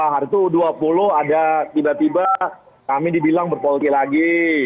hari itu dua puluh ada tiba tiba kami dibilang ber politi lagi